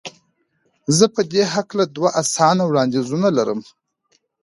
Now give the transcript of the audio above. زه په دې هکله دوه اسانه وړاندیزونه لرم.